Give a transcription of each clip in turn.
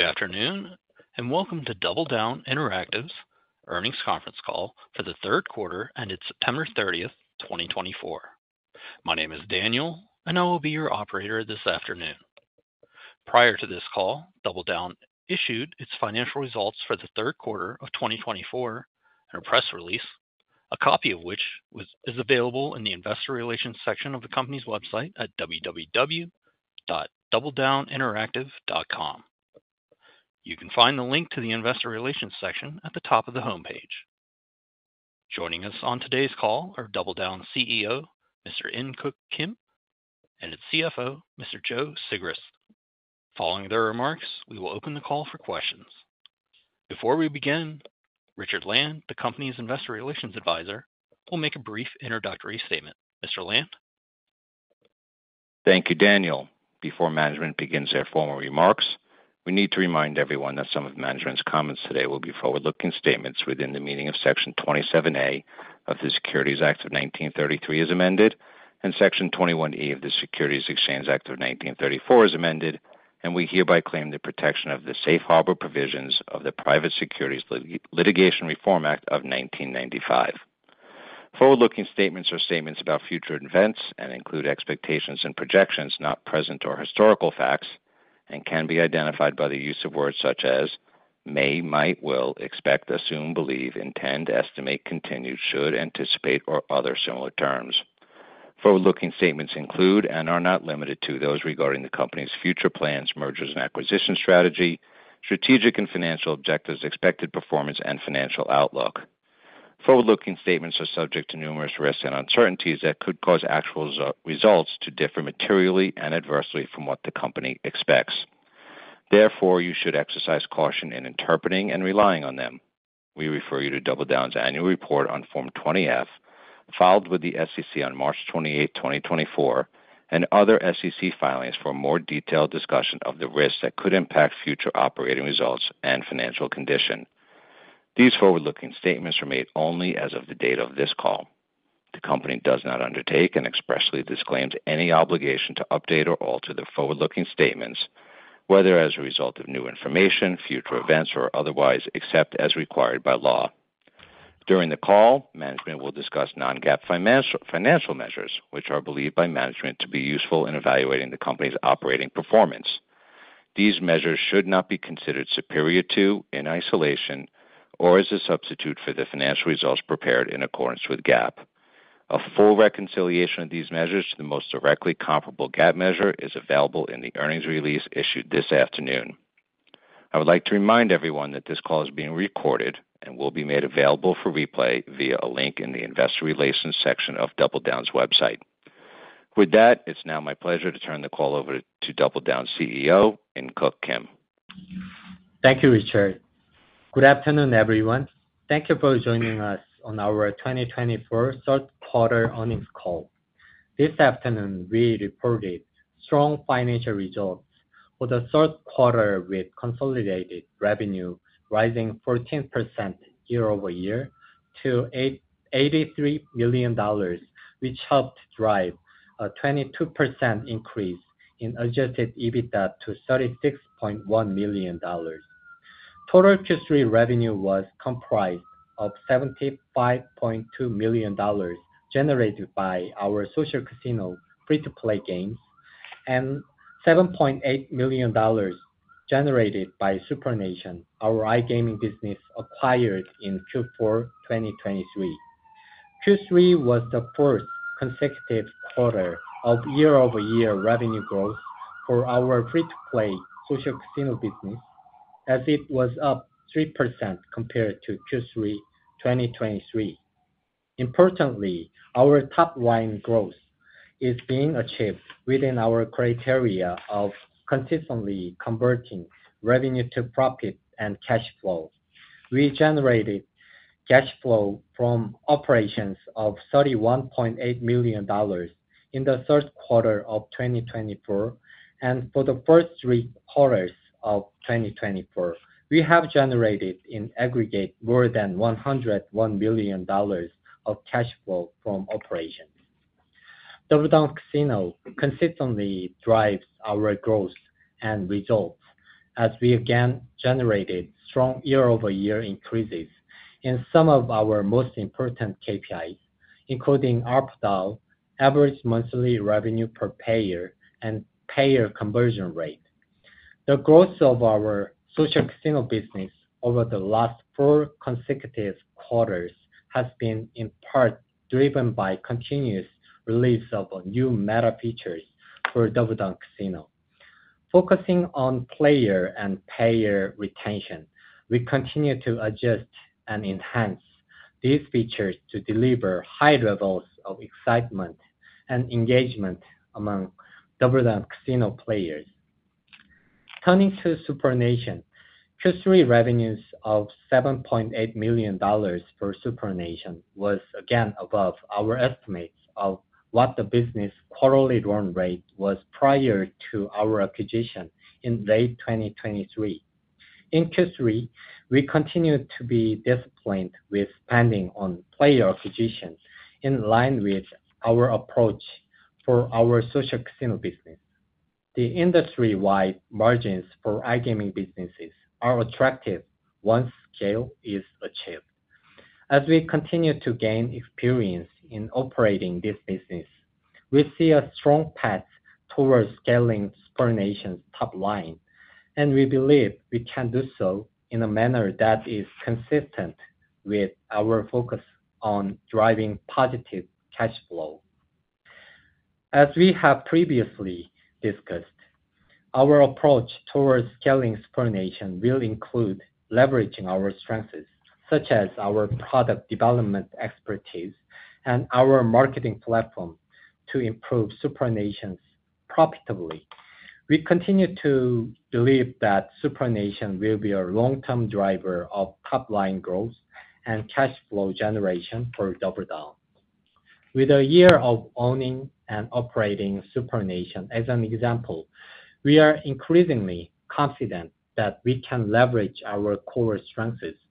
Good afternoon and welcome to DoubleDown Interactive's earnings conference call for the third quarter ended September 30th, 2024. My name is Daniel, and I will be your operator this afternoon. Prior to this call, DoubleDown issued its financial results for the third quarter of 2024 in a press release, a copy of which is available in the investor relations section of the company's website at www.doubledowninteractive.com. You can find the link to the investor relations section at the top of the homepage. Joining us on today's call are DoubleDown CEO, Mr. In Keuk Kim, and its CFO, Mr. Joe Sigrist. Following their remarks, we will open the call for questions. Before we begin, Richard Land, the company's investor relations advisor, will make a brief introductory statement. Mr. Land? Thank you, Daniel. Before management begins their formal remarks, we need to remind everyone that some of management's comments today will be forward-looking statements within the meaning of Section 27A of the Securities Act of 1933, as amended, and Section 21E of the Securities Exchange Act of 1934, as amended, and we hereby claim the protection of the safe harbor provisions of the Private Securities Litigation Reform Act of 1995. Forward-looking statements are statements about future events and include expectations and projections, not present or historical facts, and can be identified by the use of words such as may, might, will, expect, assume, believe, intend, estimate, continue, should, anticipate, or other similar terms. Forward-looking statements include and are not limited to those regarding the company's future plans, mergers and acquisition strategy, strategic and financial objectives, expected performance, and financial outlook. Forward-looking statements are subject to numerous risks and uncertainties that could cause actual results to differ materially and adversely from what the company expects. Therefore, you should exercise caution in interpreting and relying on them. We refer you to DoubleDown's annual report on Form 20-F, filed with the SEC on March 28th, 2024, and other SEC filings for a more detailed discussion of the risks that could impact future operating results and financial condition. These forward-looking statements are made only as of the date of this call. The company does not undertake and expressly disclaims any obligation to update or alter the forward-looking statements, whether as a result of new information, future events, or otherwise, except as required by law. During the call, management will discuss non-GAAP financial measures, which are believed by management to be useful in evaluating the company's operating performance. These measures should not be considered superior to, in isolation, or as a substitute for the financial results prepared in accordance with GAAP. A full reconciliation of these measures to the most directly comparable GAAP measure is available in the earnings release issued this afternoon. I would like to remind everyone that this call is being recorded and will be made available for replay via a link in the investor relations section of DoubleDown's website. With that, it's now my pleasure to turn the call over to DoubleDown's CEO, In Keuk Kim. Thank you, Richard. Good afternoon, everyone. Thank you for joining us on our 2024 third quarter earnings call. This afternoon, we reported strong financial results for the third quarter with consolidated revenue rising 14% year-over-year to $83 million, which helped drive a 22% increase in adjusted EBITDA to $36.1 million. Total Q3 revenue was comprised of $75.2 million generated by our social casino free-to-play games and $7.8 million generated by SuprNation, our iGaming business acquired in Q4 2023. Q3 was the fourth consecutive quarter of year-over-year revenue growth for our free-to-play social casino business, as it was up 3% compared to Q3 2023. Importantly, our top-line growth is being achieved within our criteria of consistently converting revenue to profit and cash flow. We generated cash flow from operations of $31.8 million in the third quarter of 2024, and for the first three quarters of 2024, we have generated in aggregate more than $101 million of cash flow from operations. DoubleDown Casino consistently drives our growth and results as we again generated strong year-over-year increases in some of our most important KPIs, including ARPDAU, average monthly revenue per payer, and payer conversion rate. The growth of our social casino business over the last four consecutive quarters has been in part driven by continuous release of new meta features for DoubleDown Casino. Focusing on player and payer retention, we continue to adjust and enhance these features to deliver high levels of excitement and engagement among DoubleDown Casino players. Turning to SuprNation, Q3 revenues of $7.8 million for SuprNation was again above our estimates of what the business quarterly run rate was prior to our acquisition in late 2023. In Q3, we continue to be disciplined with spending on player acquisition in line with our approach for our social casino business. The industry-wide margins for iGaming businesses are attractive once scale is achieved. As we continue to gain experience in operating this business, we see a strong path towards scaling SuprNation's top line, and we believe we can do so in a manner that is consistent with our focus on driving positive cash flow. As we have previously discussed, our approach towards scaling SuprNation will include leveraging our strengths, such as our product development expertise and our marketing platform, to improve SuprNation's profitability. We continue to believe that SuprNation will be a long-term driver of top-line growth and cash flow generation for DoubleDown. With a year of owning and operating SuprNation as an example, we are increasingly confident that we can leverage our core strengths,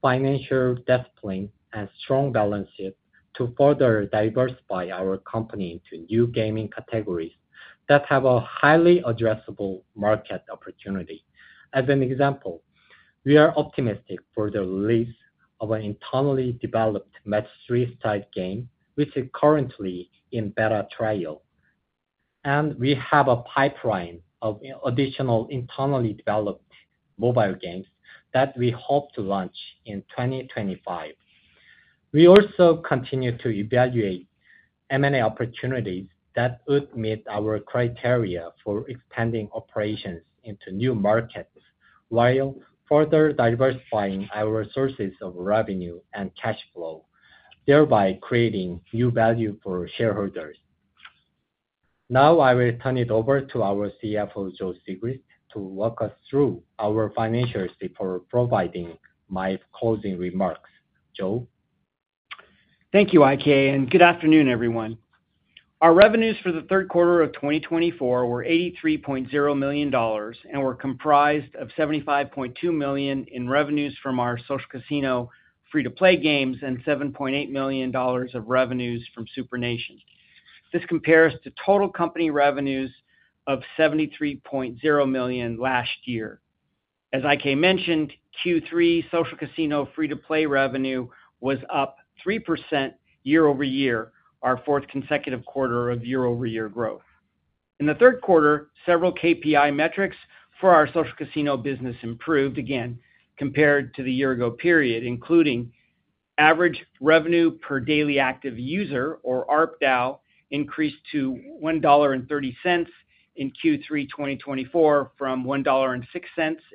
financial discipline, and strong balance sheet to further diversify our company into new gaming categories that have a highly addressable market opportunity. As an example, we are optimistic for the release of an internally developed Match 3-type game, which is currently in beta trial, and we have a pipeline of additional internally developed mobile games that we hope to launch in 2025. We also continue to evaluate M&A opportunities that would meet our criteria for expanding operations into new markets while further diversifying our sources of revenue and cash flow, thereby creating new value for shareholders. Now, I will turn it over to our CFO, Joe Sigrist, to walk us through our financials before providing my closing remarks. Joe? Thank you, IK, and good afternoon, everyone. Our revenues for the third quarter of 2024 were $83.0 million and were comprised of $75.2 million in revenues from our social casino free-to-play games and $7.8 million of revenues from SuprNation. This compares to total company revenues of $73.0 million last year. As IK mentioned, Q3 social casino free-to-play revenue was up 3% year-over-year, our fourth consecutive quarter of year-over-year growth. In the third quarter, several KPI metrics for our social casino business improved again compared to the year-ago period, including average revenue per daily active user, or ARPDAU, increased to $1.30 in Q3 2024 from $1.06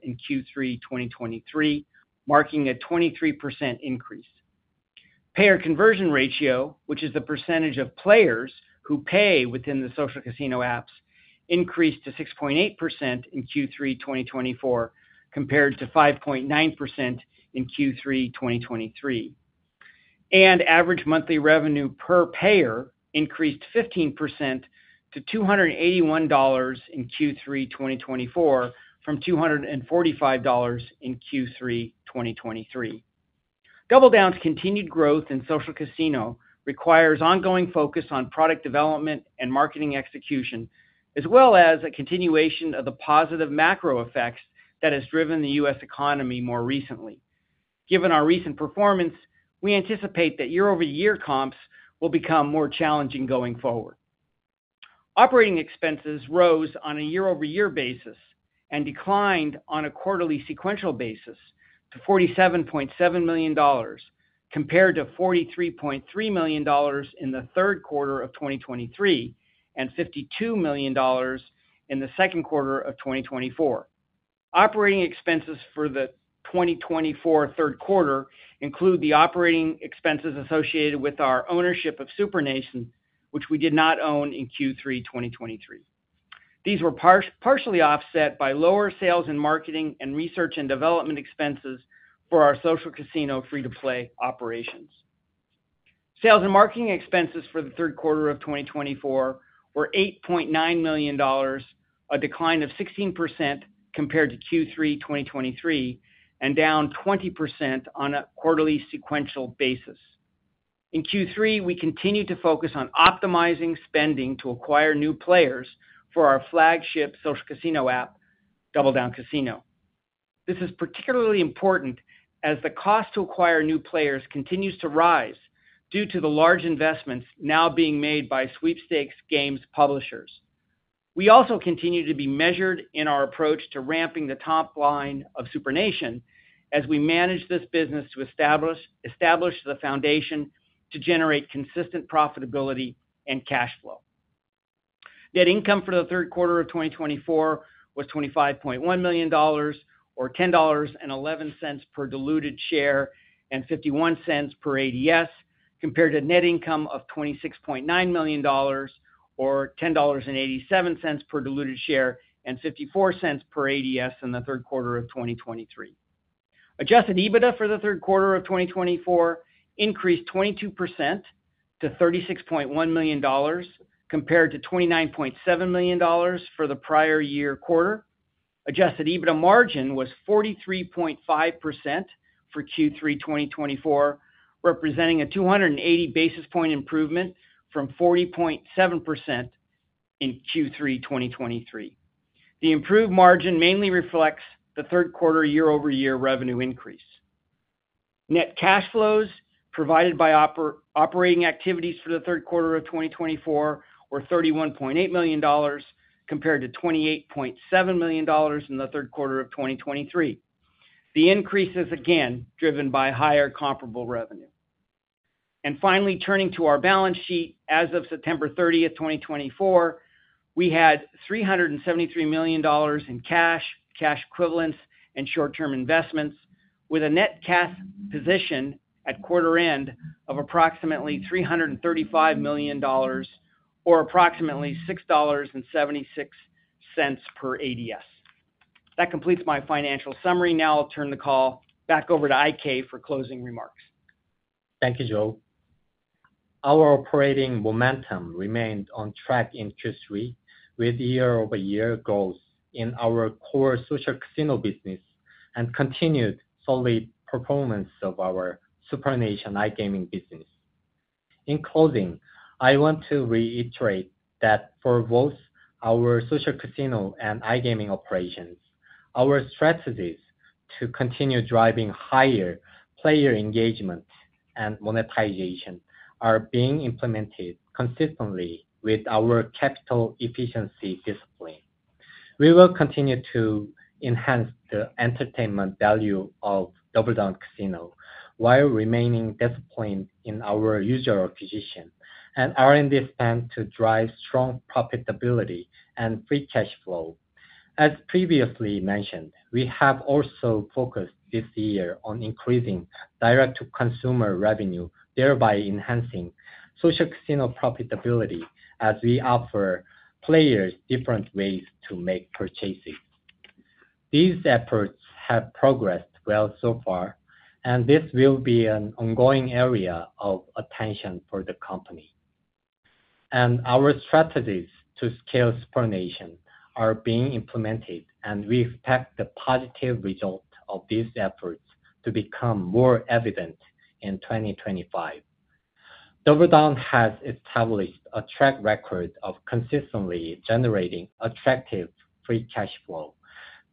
in Q3 2023, marking a 23% increase. Payer conversion ratio, which is the percentage of players who pay within the social casino apps, increased to 6.8% in Q3 2024 compared to 5.9% in Q3 2023. Average monthly revenue per payer increased 15% to $281 in Q3 2024 from $245 in Q3 2023. DoubleDown's continued growth in social casino requires ongoing focus on product development and marketing execution, as well as a continuation of the positive macro effects that have driven the U.S. economy more recently. Given our recent performance, we anticipate that year-over-year comps will become more challenging going forward. Operating expenses rose on a year-over-year basis and declined on a quarterly sequential basis to $47.7 million compared to $43.3 million in the third quarter of 2023 and $52 million in the second quarter of 2024. Operating expenses for the 2024 third quarter include the operating expenses associated with our ownership of SuprNation, which we did not own in Q3 2023. These were partially offset by lower sales and marketing and research and development expenses for our social casino free-to-play operations. Sales and marketing expenses for the third quarter of 2024 were $8.9 million, a decline of 16% compared to Q3 2023, and down 20% on a quarterly sequential basis. In Q3, we continued to focus on optimizing spending to acquire new players for our flagship social casino app, DoubleDown Casino. This is particularly important as the cost to acquire new players continues to rise due to the large investments now being made by sweepstakes games publishers. We also continue to be measured in our approach to ramping the top line of SuprNation as we manage this business to establish the foundation to generate consistent profitability and cash flow. Net income for the third quarter of 2024 was $25.1 million, or $10.11 per diluted share and $0.51 per ADS, compared to net income of $26.9 million, or $10.87 per diluted share and $0.54 per ADS in the third quarter of 2023. Adjusted EBITDA for the third quarter of 2024 increased 22% to $36.1 million compared to $29.7 million for the prior year quarter. Adjusted EBITDA margin was 43.5% for Q3 2024, representing a 280 basis point improvement from 40.7% in Q3 2023. The improved margin mainly reflects the third quarter year-over-year revenue increase. Net cash flows provided by operating activities for the third quarter of 2024 were $31.8 million compared to $28.7 million in the third quarter of 2023. The increase is again driven by higher comparable revenue. Finally, turning to our balance sheet, as of September 30th, 2024, we had $373 million in cash, cash equivalents, and short-term investments, with a net cash position at quarter end of approximately $335 million, or approximately $6.76 per ADS. That completes my financial summary. Now, I'll turn the call back over to IK for closing remarks. Thank you, Joe. Our operating momentum remained on track in Q3 with year-over-year growth in our core social casino business and continued solid performance of our SuprNation iGaming business. In closing, I want to reiterate that for both our social casino and iGaming operations, our strategies to continue driving higher player engagement and monetization are being implemented consistently with our capital efficiency discipline. We will continue to enhance the entertainment value of DoubleDown Casino while remaining disciplined in our user acquisition and our investment to drive strong profitability and free cash flow. As previously mentioned, we have also focused this year on increasing direct-to-consumer revenue, thereby enhancing social casino profitability as we offer players different ways to make purchases. These efforts have progressed well so far, and this will be an ongoing area of attention for the company. And our strategies to scale SuprNation are being implemented, and we expect the positive result of these efforts to become more evident in 2025. DoubleDown has established a track record of consistently generating attractive free cash flow.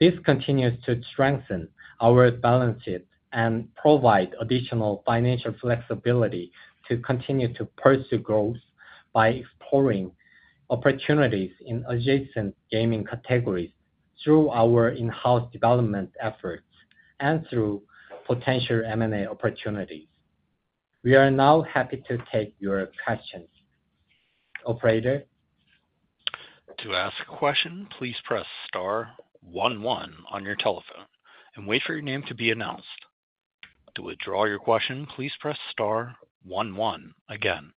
This continues to strengthen our balance sheet and provide additional financial flexibility to continue to pursue growth by exploring opportunities in adjacent gaming categories through our in-house development efforts and through potential M&A opportunities. We are now happy to take your questions, Operator. To ask a question, please press star 11 on your telephone and wait for your name to be announced. To withdraw your question, please press star 11 again.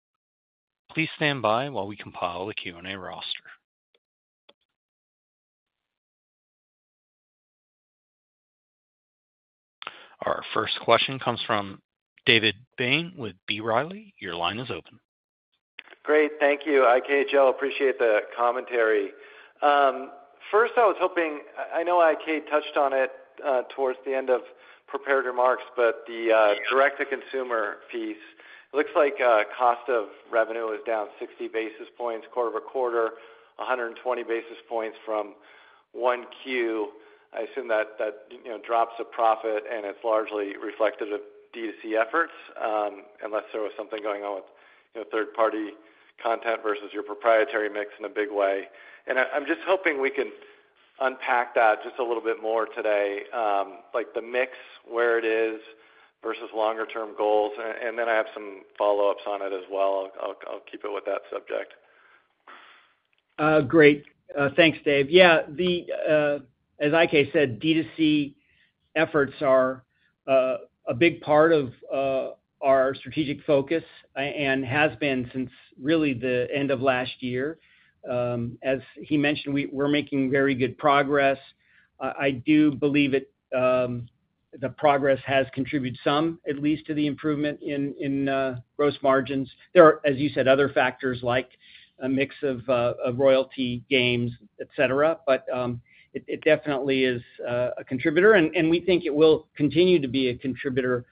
Please stand by while we compile the Q&A roster. Our first question comes from David Bain with B. Riley. Your line is open. Great. Thank you, IK, Joe. Appreciate the commentary. First, I was hoping you know IK touched on it towards the end of prepared remarks, but the direct-to-consumer piece, it looks like cost of revenue is down 60 basis points quarter-over-quarter, 120 basis points from Q1. I assume that drives profitability, and it's largely reflective of D2C efforts unless there was something going on with third-party content versus your proprietary mix in a big way. And I'm just hoping we can unpack that just a little bit more today, like the mix, where it is versus longer-term goals. And then I have some follow-ups on it as well. I'll keep it to that subject. Great. Thanks, Dave. Yeah, as IK said, D2C efforts are a big part of our strategic focus and have been since really the end of last year. As he mentioned, we're making very good progress. I do believe that progress has contributed some, at least to the improvement in gross margins. There are, as you said, other factors like a mix of royalty games, et cetera, but it definitely is a contributor, and we think it will continue to be a contributor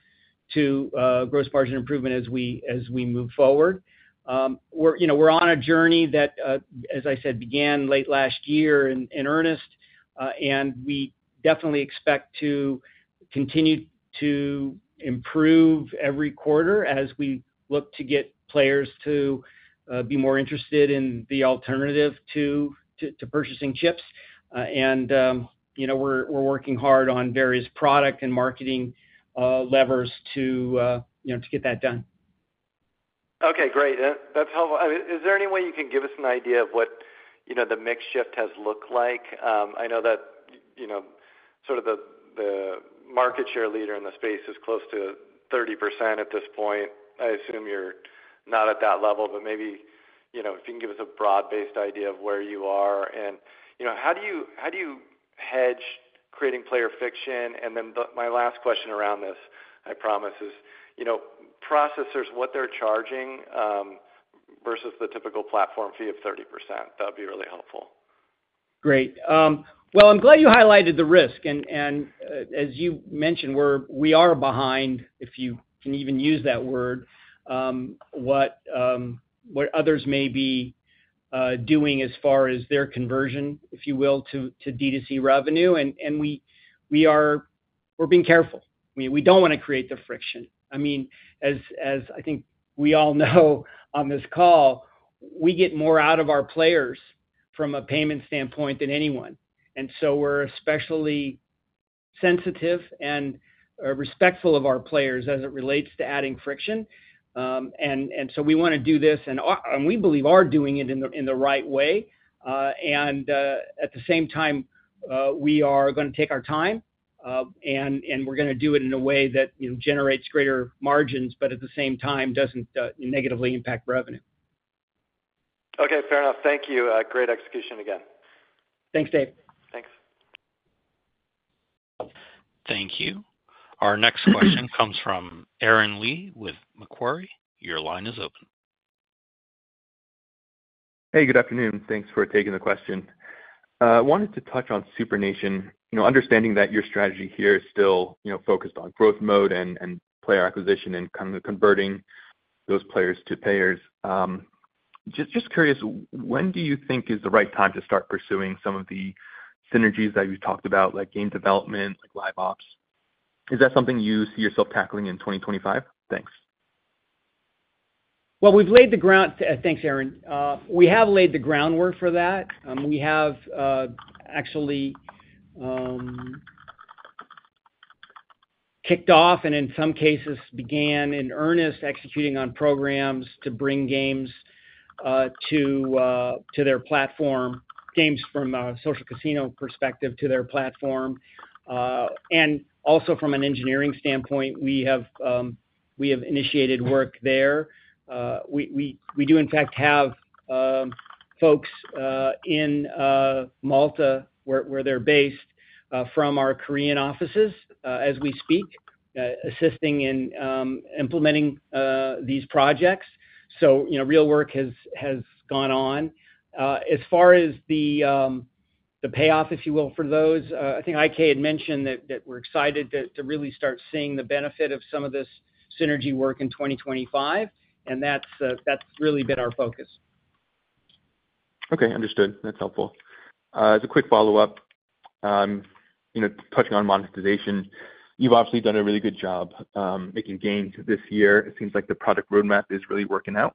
to gross margin improvement as we move forward. We're on a journey that, as I said, began late last year in earnest, and we definitely expect to continue to improve every quarter as we look to get players to be more interested in the alternative to purchasing chips, and we're working hard on various product and marketing levers to get that done. Okay, great. That's helpful. Is there any way you can give us an idea of what the mix shift has looked like? I know that sort of the market share leader in the space is close to 30% at this point. I assume you're not at that level, but maybe if you can give us a broad-based idea of where you are. And how do you hedge creating player friction? And then my last question around this, I promise, is processors, what they're charging versus the typical platform fee of 30%? That would be really helpful. Great. Well, I'm glad you highlighted the risk. And as you mentioned, we are behind, if you can even use that word, what others may be doing as far as their conversion, if you will, to D2C revenue. And we're being careful. We don't want to create the friction. I mean, as I think we all know on this call, we get more out of our players from a payment standpoint than anyone. And so we're especially sensitive and respectful of our players as it relates to adding friction. And so we want to do this, and we believe we are doing it in the right way. And at the same time, we are going to take our time, and we're going to do it in a way that generates greater margins, but at the same time doesn't negatively impact revenue. Okay, fair enough. Thank you. Great execution again. Thanks, David. Thanks. Thank you. Our next question comes from Aaron Lee with Macquarie. Your line is open. Hey, good afternoon. Thanks for taking the question. I wanted to touch on SuprNation, understanding that your strategy here is still focused on growth mode and player acquisition and kind of converting those players to payers. Just curious, when do you think is the right time to start pursuing some of the synergies that you talked about, like game development, like live ops? Is that something you see yourself tackling in 2025? Thanks. We've laid the ground. Thanks, Aaron. We have laid the groundwork for that. We have actually kicked off and in some cases began in earnest executing on programs to bring games to their platform, games from a social casino perspective to their platform. Also from an engineering standpoint, we have initiated work there. We do, in fact, have folks in Malta, where they're based, from our Korean offices as we speak, assisting in implementing these projects. Real work has gone on. As far as the payoff, if you will, for those, I think IK had mentioned that we're excited to really start seeing the benefit of some of this synergy work in 2025, and that's really been our focus. Okay, understood. That's helpful. As a quick follow-up, touching on monetization, you've obviously done a really good job making gains this year. It seems like the product roadmap is really working out.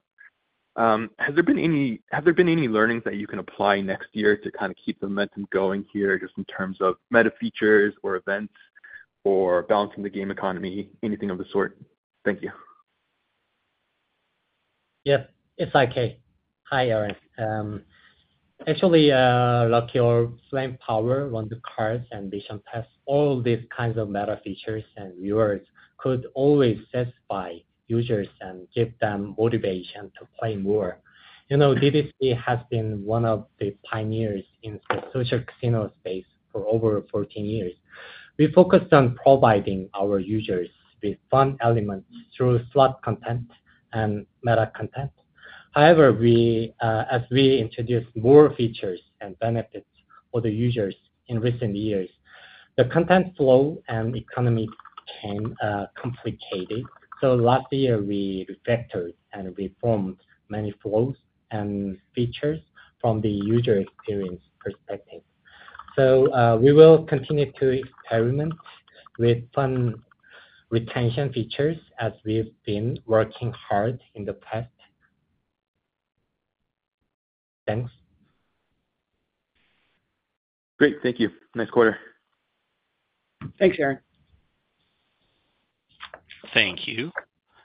Has there been any learnings that you can apply next year to kind of keep the momentum going here just in terms of meta features or events or balancing the game economy, anything of the sort? Thank you. Yeah, it's IK. Hi, Aaron. Actually, like your Flame Power, Wonder Cards, and Mission Pass, all these kinds of meta features and rewards could always satisfy users and give them motivation to play more. DDC has been one of the pioneers in the social casino space for over 14 years. We focused on providing our users with fun elements through slot content and meta content. However, as we introduced more features and benefits for the users in recent years, the content flow and economy became complicated. So last year, we refactored and reformed many flows and features from the user experience perspective. So we will continue to experiment with fun retention features as we've been working hard in the past. Thanks. Great. Thank you. Nice quarter. Thanks, Aaron. Thank you,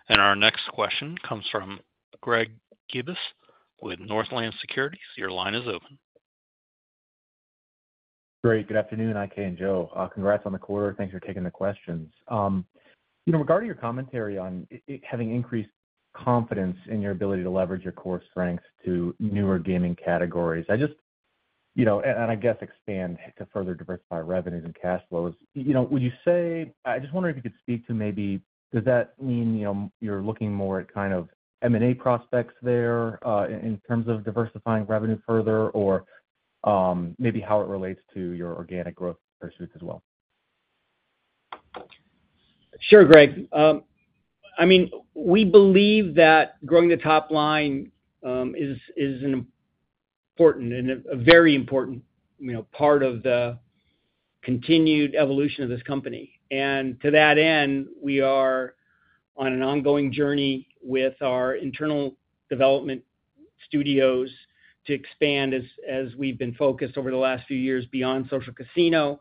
and our next question comes from Greg Gibas with Northland Securities. Your line is open. Great. Good afternoon, IK and Joe. Congrats on the quarter. Thanks for taking the questions. Regarding your commentary on having increased confidence in your ability to leverage your core strengths to newer gaming categories, expand to further diversify revenues and cash flows. Would you say, I just wonder if you could speak to maybe, does that mean you're looking more at kind of M&A prospects there in terms of diversifying revenue further, or maybe how it relates to your organic growth pursuits as well? Sure, Greg. I mean, we believe that growing the top line is an important and a very important part of the continued evolution of this company. To that end, we are on an ongoing journey with our internal development studios to expand as we've been focused over the last few years beyond social casino.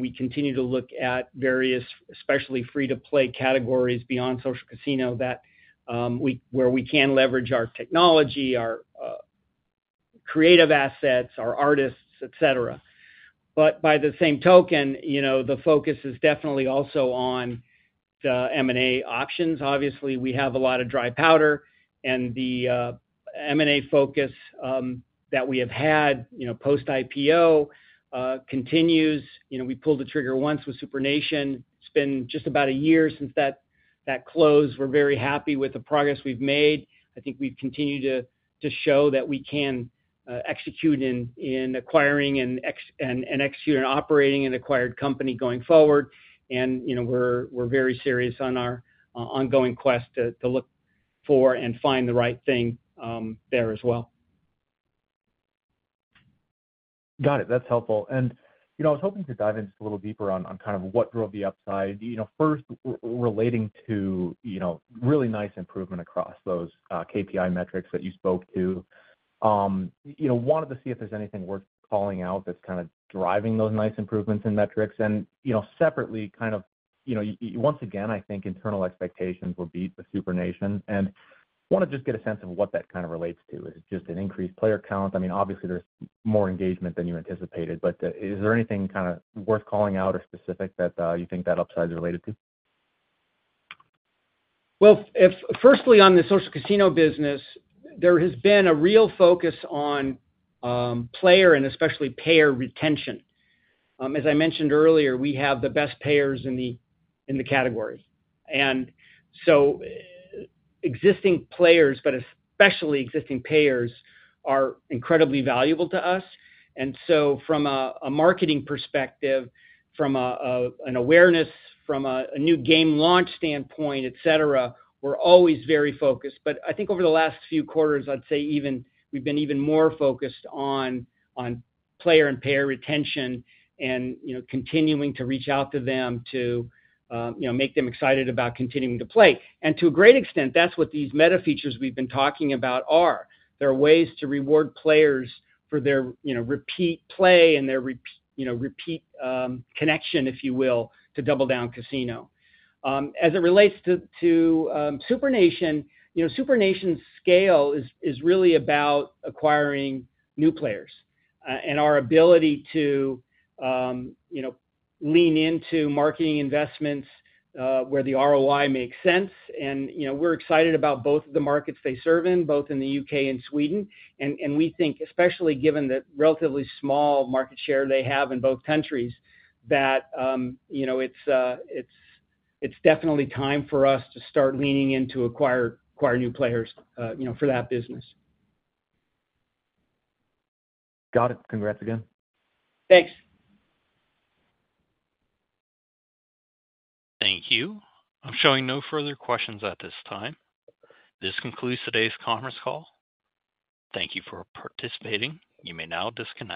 We continue to look at various, especially free-to-play categories beyond social casino where we can leverage our technology, our creative assets, our artists, et cetera. By the same token, the focus is definitely also on the M&A options. Obviously, we have a lot of dry powder, and the M&A focus that we have had post-IPO continues. We pulled the trigger once with SuprNation. It's been just about a year since that closed. We're very happy with the progress we've made. I think we've continued to show that we can execute in acquiring and operating an acquired company going forward. And we're very serious on our ongoing quest to look for and find the right thing there as well. Got it. That's helpful. And I was hoping to dive in just a little deeper on kind of what drove the upside. First, relating to really nice improvement across those KPI metrics that you spoke to, wanted to see if there's anything worth calling out that's kind of driving those nice improvements in metrics. And separately, kind of once again, I think internal expectations were beat with SuprNation. And I want to just get a sense of what that kind of relates to. Is it just an increased player count? I mean, obviously, there's more engagement than you anticipated, but is there anything kind of worth calling out or specific that you think that upside is related to? Firstly, on the social casino business, there has been a real focus on player and especially payer retention. As I mentioned earlier, we have the best payers in the category. And so existing players, but especially existing payers, are incredibly valuable to us. And so from a marketing perspective, from an awareness, from a new game launch standpoint, et cetera, we're always very focused. But I think over the last few quarters, I'd say we've been even more focused on player and payer retention and continuing to reach out to them to make them excited about continuing to play. And to a great extent, that's what these meta features we've been talking about are. There are ways to reward players for their repeat play and their repeat connection, if you will, to DoubleDown Casino. As it relates to SuprNation, SuprNation's scale is really about acquiring new players and our ability to lean into marketing investments where the ROI makes sense. And we're excited about both the markets they serve in, both in the U.K. and Sweden. And we think, especially given the relatively small market share they have in both countries, that it's definitely time for us to start leaning in to acquire new players for that business. Got it. Congrats again. Thanks. Thank you. I'm showing no further questions at this time. This concludes today's conference call. Thank you for participating. You may now disconnect.